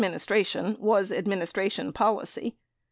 387 ministration was administration policy.